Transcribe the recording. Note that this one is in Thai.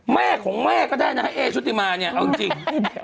แม่ของแม่ก็ได้นะฮะเอชุติมาเนี่ยเอาจริง